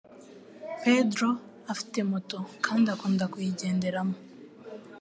Pedro afite moto kandi akunda kuyigenderamo.